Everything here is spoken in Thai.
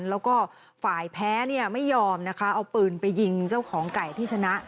แล้วก็ฝ่ายแพ้เนี่ยไม่ยอมนะคะเอาปืนไปยิงเจ้าของไก่ที่ชนะ